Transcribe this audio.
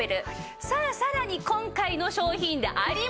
さあさらに今回の商品であります